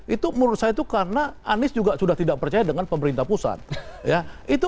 itu menurut saya itu karena anies juga sudah tidak percaya dengan pemerintah pusat